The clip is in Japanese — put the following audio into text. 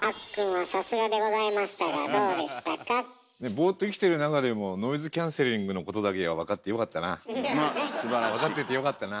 ボーっと生きてる中でもノイズキャンセリングのことだけは分かってよかったな。